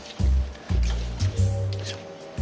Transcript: よいしょ。